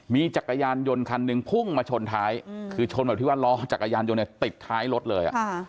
มีจักรยานยนต์คันหนึ่งพุ่งมาชนท้ายคือชนแบบที่ว่าล้อจักรยานยนต์ติดท้ายรถเลย